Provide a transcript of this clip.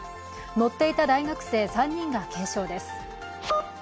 乗っていた大学生３人が軽傷です。